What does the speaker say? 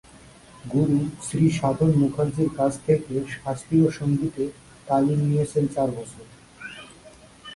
গুরু শ্রী সাধন মুখার্জীর কাছ থেকে শাস্ত্রীয় সংগীতে তালিম নিয়েছেন চার বছর।